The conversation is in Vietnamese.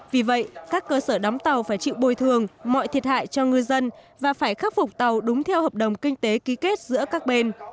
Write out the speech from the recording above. vì vậy các cơ sở đóng tàu phải chịu bồi thường mọi thiệt hại cho ngư dân và phải khắc phục tàu đúng theo hợp đồng kinh tế ký kết giữa các bên